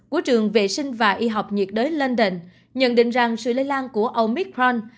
của trường vệ sinh và y học nhiệt đới london nhận định rằng sự lây lan của omicron